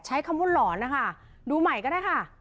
ใช้คำว่าหลอนนะคะดูใหม่ก็ได้ค่ะ